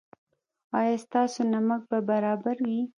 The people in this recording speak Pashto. ایا ستاسو نمک به برابر وي؟